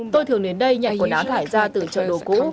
tôi thường đến đây nhận quần áo thải ra từ chợ đồ cũ